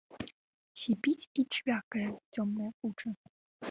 Сіпіць і чвякае цёмная куча.